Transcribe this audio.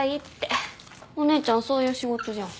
お姉ちゃんそういう仕事じゃん。